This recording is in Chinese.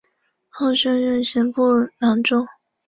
后升任刑部郎中。